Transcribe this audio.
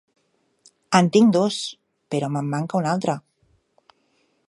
En tinc dos, però me'n manca un altre.